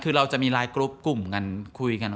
คือเราจะมีไลน์กรุ๊ปกลุ่มกันคุยกัน